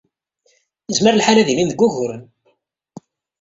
Yezmer lḥal ad ilin deg wuguren.